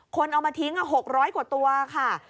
คนเอามาทิ้ง๖๐๐กว่าตัวค่ะ